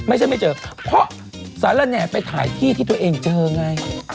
ไม่ใช่ไม่เจอเพราะสารแหน่ไปถ่ายที่ที่ตัวเองเจอไง